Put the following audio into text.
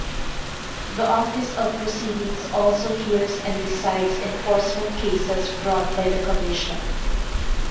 The Office of Proceedings also hears and decides enforcement cases brought by the Commission.